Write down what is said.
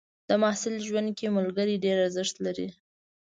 د محصل ژوند کې ملګري ډېر ارزښت لري.